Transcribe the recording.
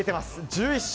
１１勝。